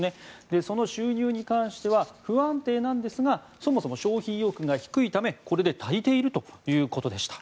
その収入に関しては不安定なんですがそもそも消費意欲が低いためこれで足りているということでした。